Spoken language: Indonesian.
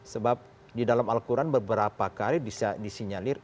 sebab di dalam al quran beberapa kali bisa disinyalir